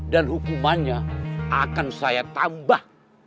dan hukumannya akan saya tambah